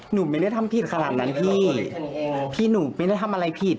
หนูไม่ได้ทำผิดขนาดนั้นพี่พี่หนูไม่ได้ทำอะไรผิด